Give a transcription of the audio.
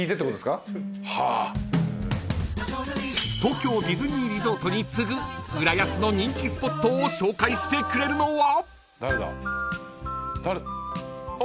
［東京ディズニーリゾートに次ぐ浦安の人気スポットを紹介してくれるのは？］